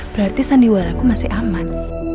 berarti sandiwaraku masih aman